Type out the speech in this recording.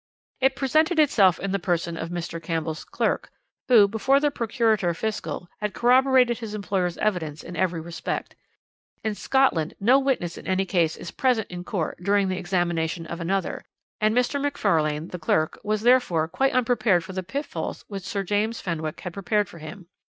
"It presented itself in the person of Mr. Campbell's clerk, who, before the Procurator Fiscal, had corroborated his employer's evidence in every respect. In Scotland no witness in any one case is present in court during the examination of another, and Mr. Macfarlane, the clerk, was, therefore, quite unprepared for the pitfalls which Sir James Fenwick had prepared for him.